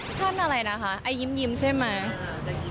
แชทอะไรนะคะไอยิ้มยิ้มใช่ไหม